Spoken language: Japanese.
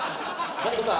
マツコさん